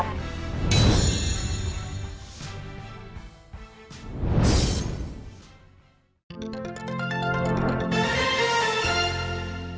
โปรดติดตามตอนต่อไป